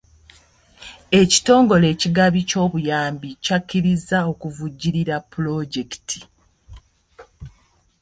Ekitongole ekigabi ky'obuyambi kyakkirizza okuvujjirira pulojekiti.